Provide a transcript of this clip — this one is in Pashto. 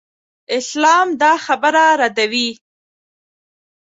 اسلام دا خبره ردوي.